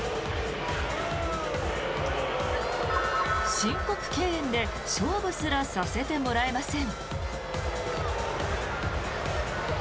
申告敬遠で勝負すらさせてもらえません。